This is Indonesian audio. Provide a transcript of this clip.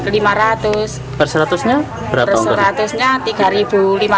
per seratus nya berapa